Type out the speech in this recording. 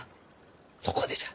そこでじゃ。